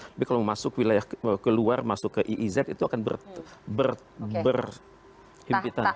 tapi kalau mau masuk wilayah keluar masuk ke iiz itu akan berhimpitan